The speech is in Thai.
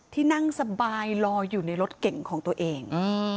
ที่นั่งสบายรออยู่ในรถเก่งของตัวเอง